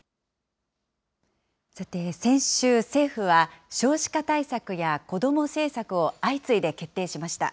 さて、先週、政府は少子化対策やこども政策を相次いで決定しました。